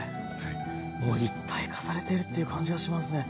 もう一体化されているという感じがしますね。